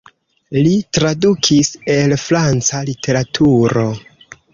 Li tradukis el franca literaturo.